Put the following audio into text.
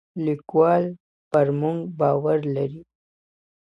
لیکوال پر موږ باور لري.